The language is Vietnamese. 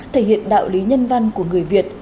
thể hiện đạo lý nhân văn của người việt